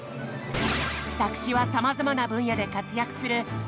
作詞はさまざまな分野で活躍する劇団ひとりさん。